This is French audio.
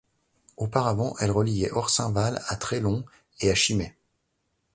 Auparavant, elle reliait Orsinval à Trélon et à Chimay.